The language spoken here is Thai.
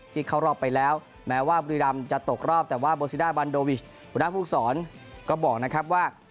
เข้ารอบไปแล้วแม้ว่าบุรีรำจะตกรอบแต่ว่าโบซิด้าบันโดวิชหัวหน้าภูมิสอนก็บอกนะครับว่า